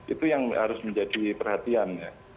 itu yang harus menjadi perhatian ya